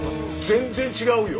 全然違うよ！